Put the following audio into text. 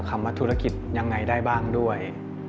คำว่าธุรกิจยังไงได้บ้างด้วย